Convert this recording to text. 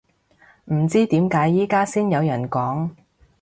唔知點解而家先有人講